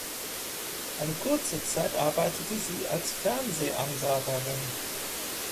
Eine kurze Zeit arbeitete sie als Fernsehansagerin.